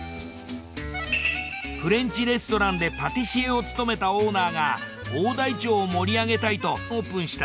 フレンチレストランでパティシエを務めたオーナーが大台町を盛り上げたいとオープンした。